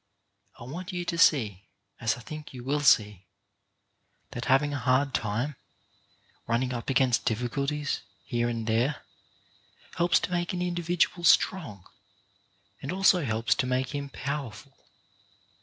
I want you to see, as I think you will see, that having a hard time, running up against difficul ties here and there, helps to make an individual strong, helps to make him powerful.